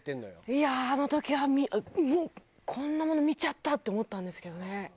いやああの時はこんなもの見ちゃった！って思ったんですけどね。